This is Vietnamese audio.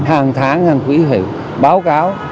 hàng tháng hàng quỹ phải báo cáo